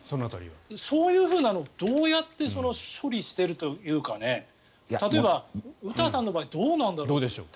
そういうふうなのはどうやって処理してるというか例えば、詩さんの場合どうなんだろうって。